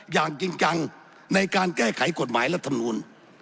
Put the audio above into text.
อย่างจริงจังในการแก้ไขกฎหมายรัฐมนูล